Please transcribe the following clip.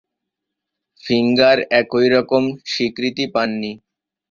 Finger একইরকম স্বীকৃতি পাননি।